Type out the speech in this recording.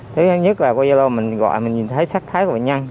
thứ nhất là qua gia lô mình gọi mình nhìn thấy sắc thái của bệnh nhân